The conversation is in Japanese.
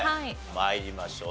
参りましょう。